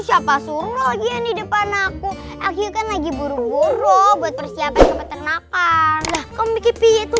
siapa suruh lagi di depan aku akhirnya lagi buru buru buat persiapan ke peternakan kamu